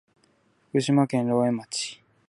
福島県浪江町